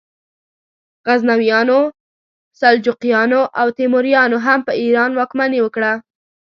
غزنویانو، سلجوقیانو او تیموریانو هم په ایران واکمني وکړه.